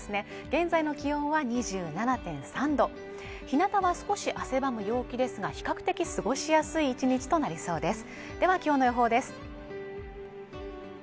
現在の気温は２７．３度日向は少し汗ばむ陽気ですが比較的過ごしやすい１日となりそうです